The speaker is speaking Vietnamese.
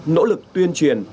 nỗ lực tuyên truyền